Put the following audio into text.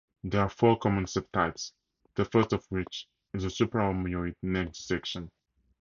There are four common subtypes, the first of which is the supraomohyoid neck dissection.